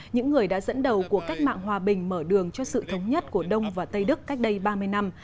những người đã dẫn đầu của cách mạng hòa bình mở đường cho sự thống nhất của đông và tây đức cách đây ba mươi năm